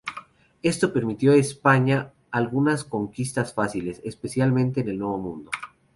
Esto permitió a España algunas conquistas fáciles, especialmente en el Nuevo Mundo.